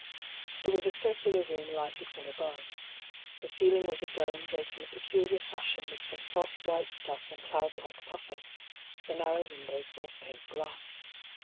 It was a circular room lighted from above. The ceiling was a dome draped in a peculiar fashion with some soft white stuff in cloud like puiBfings ; the narrow windows were of pink glass.